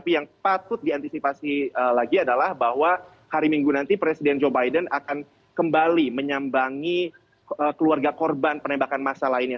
tapi yang patut diantisipasi lagi adalah bahwa hari minggu nanti presiden joe biden akan kembali menyambangi keluarga korban penembakan masa lainnya